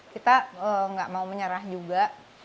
kita nggak mau menyerah juga